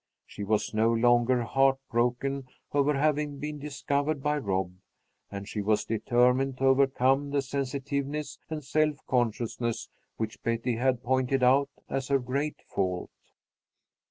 She was no longer heart broken over having been discovered by Rob, and she was determined to overcome the sensitiveness and self consciousness which Betty had pointed out as her great fault.